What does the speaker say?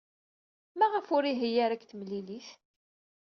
Maɣef ur ihi ara deg temlilit?